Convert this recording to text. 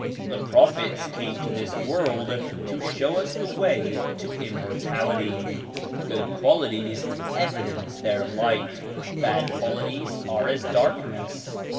The Prophets came to this world to show us the way to Immortality. Good qualities evidence their light; bad qualities are as darkness.